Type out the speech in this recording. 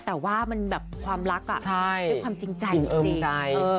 แต่ว่ามันแบบความรักอ่ะใช่ด้วยความจริงใจด้วยสิ